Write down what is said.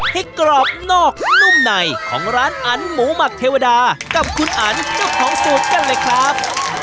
กรอบนอกนุ่มในของร้านอันหมูหมักเทวดากับคุณอันเจ้าของสูตรกันเลยครับ